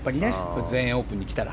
全英オープンに来たら。